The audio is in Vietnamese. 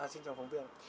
xin chào phóng viên